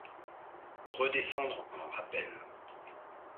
Redescendre en rappel.